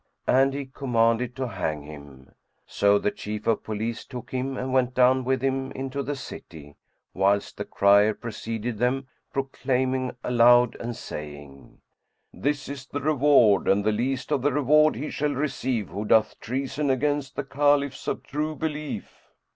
And he commanded to hang him. So the Chief of Police took him and went down with him into the city, whilst the crier preceded them proclaiming aloud and saying, "This is the reward and the least of the reward he shall receive who doth treason against the Caliphs of True Belief!"